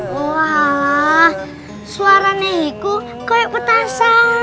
wah suaranya itu kayak petasan